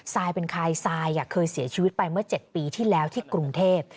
เป็นคายทรายเคยเสียชีวิตไปเมื่อ๗ปีที่แล้วที่กรุงเทพ